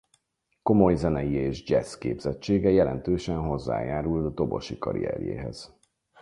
Komolyzenei és dzsessz képzettsége jelentősen hozzájárult dobosi karrierjéhez.